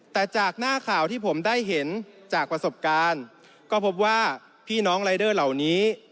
แต่จากหน้าข่าวที่ผมได้เห็นจากประสบการณ์ก็พบว่าพี่น้องรายเดอร์เหล่านี้